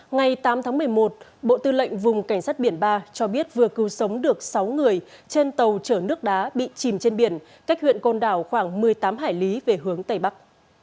ngày tám tháng một mươi một bộ tư lệnh vùng cảnh sát biển ba cho biết vừa cứu sống được sáu người trên tàu chở nước đá bị chìm trên biển cách huyện côn đảo khoảng một mươi tám hải lý về hướng tây bắc